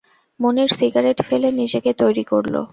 মুনির cigarette ফেলে নিজেকে তৈরি করল।